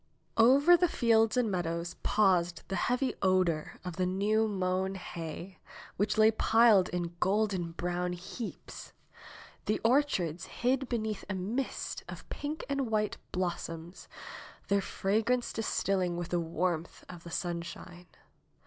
Over the fields and meadows paused the heavy odor of the new mown hay, which lay piled in golden brown heaps. The orchards hid beneath a mist of pink and white blossoms, their fragrance distilling with the warmth of the sunshine.